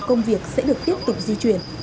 phục vụ công việc sẽ được tiếp tục di chuyển